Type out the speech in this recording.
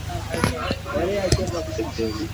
তাহলে আমাদের মধুচন্দ্রিমার কী হবে?